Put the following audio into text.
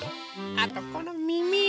あとこのみみ！